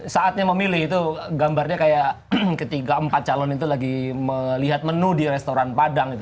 saatnya memilih itu gambarnya kayak ketiga empat calon itu lagi melihat menu di restoran padang gitu